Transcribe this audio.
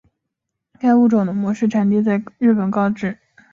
该物种的模式产地在日本高知。